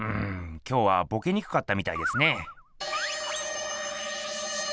今日はボケにくかったみたいですね。